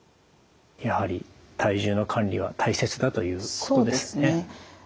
やはり体重の管理は大切だということですね。